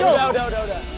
udah udah udah